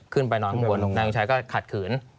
ขึ้นไปนอนข้างบนนางชัยก็ขัดขืน